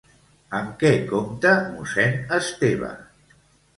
Amb què compta mossèn Esteve?